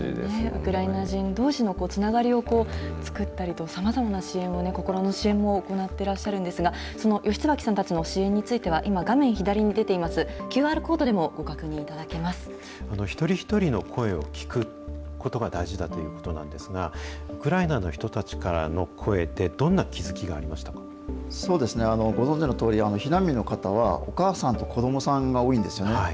ウクライナ人どうしのつながりを作ったりと、さまざまな支援を、心の支援も行ってらっしゃるんですが、その吉椿さんたちの支援については、今、画面左に出ています、ＱＲコードでもご確認い一人一人の声を聞くことが大事だということなんですが、ウクライナの人たちからの声でどんなご存じのとおり、避難民の方はお母さんと子どもさんが多いんですよね。